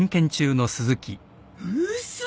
嘘！